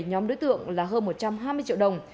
nhóm đối tượng là hơn một trăm hai mươi triệu đồng